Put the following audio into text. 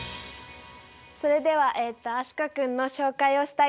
それでは飛鳥君の紹介をしたいと思います。